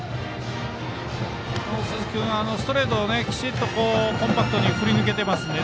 鈴木君はストレートをコンパクトに振り抜けてますので